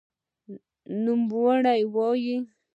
نوموړې وايي